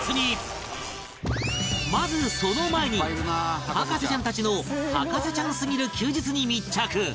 まずその前に博士ちゃんたちの博士ちゃんすぎる休日に密着